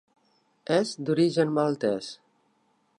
És d'origen maltès.